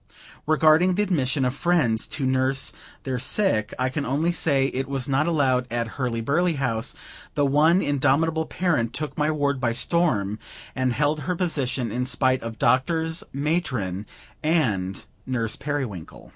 Regarding the admission of friends to nurse their sick, I can only say, it was not allowed at Hurly burly House; though one indomitable parent took my ward by storm, and held her position, in spite of doctors, matron, and Nurse Periwinkle.